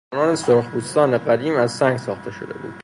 سنان سرخپوستان قدیم از سنگ ساخته شده بود.